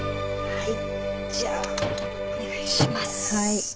はい。